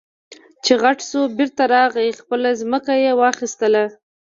چې غټ شو بېرته راغی خپله ځمکه يې واخېستله.